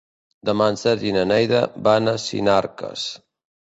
Demà en Sergi i na Neida van a Sinarques.